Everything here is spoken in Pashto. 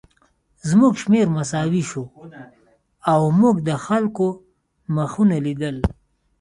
زموږ شمېر مساوي شو او موږ د خلکو مخونه لیدل